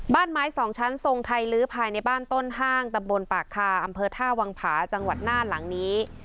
บ้านไม้สองชั้นทรงไทยลื้อภายในบ้านต้นห้างตำบลปากคาอำเภอท่าวังผาจังหวัดน่านหลังนี้